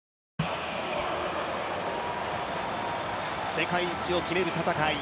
世界一を決める戦い。